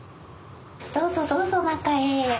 どうぞどうぞ中へ。